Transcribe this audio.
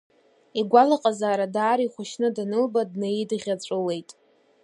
Игәалаҟазаара даара ихәашьны данылба днаидӷьаҵәылеит.